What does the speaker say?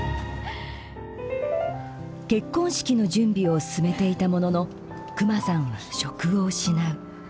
結婚式の準備を進めていたもののクマさんは職を失う。